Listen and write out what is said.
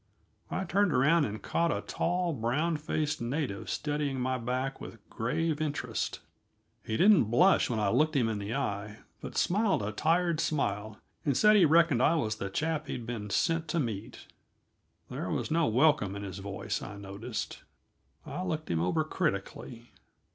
I turned around and caught a tall, brown faced native studying my back with grave interest. He didn't blush when I looked him in the eye, but smiled a tired smile and said he reckoned I was the chap he'd been sent to meet. There was no welcome in his voice, I noticed. I looked him over critically.